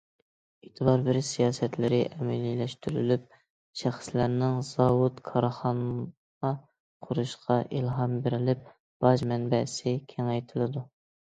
ئېتىبار بېرىش سىياسەتلىرى ئەمەلىيلەشتۈرۈلۈپ، شەخسلەرنىڭ زاۋۇت، كارخانا قۇرۇشىغا ئىلھام بېرىلىپ، باج مەنبەسى كېڭەيتىلدى.